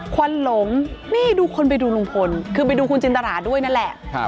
ควันหลงนี่ดูคนไปดูลุงพลคือไปดูคุณจินตราด้วยนั่นแหละ